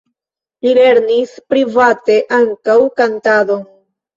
Li lernis private ankaŭ kantadon.